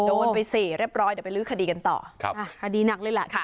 โดนไปสี่เรียบร้อยเดี๋ยวไปลื้อคดีกันต่อครับคดีหนักเลยแหละค่ะ